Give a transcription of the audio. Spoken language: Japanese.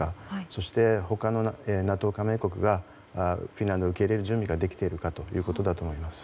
そして他のＮＡＴＯ加盟国がフィンランドを受け入れる準備ができているかだと思います。